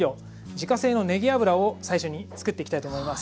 自家製のねぎ油を最初に作っていきたいと思います。